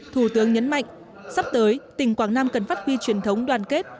thủ tướng nhấn mạnh sắp tới tỉnh quảng nam cần phát huy truyền thống đoàn kết